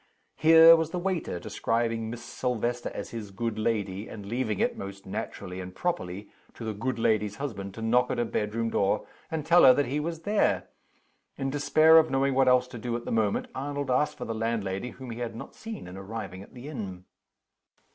Here was the waiter describing Miss Silvester as his "good lady;" and leaving it (most naturally and properly) to the "good lady's" husband to knock at her bedroom door, and tell her that he was there. In despair of knowing what else to do at the moment, Arnold asked for the landlady, whom he had not seen on arriving at the inn.